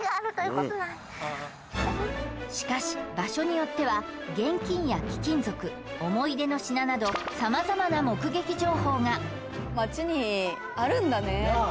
しかし場所によっては現金や貴金属思い出の品など様々な目撃情報がなあ